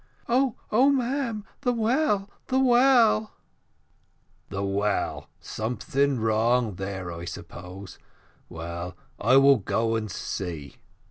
"Oh, oh, ma'am! the well, the well " "The well! Something wrong there, I suppose: well, I will go and see."